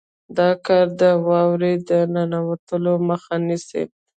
دا کار د واورې د ننوتلو مخه نیسي